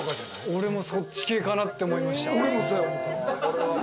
俺もそっち系かなって思いました。